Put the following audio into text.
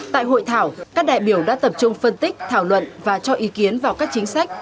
tại hội thảo các đại biểu đã tập trung phân tích thảo luận và cho ý kiến vào các chính sách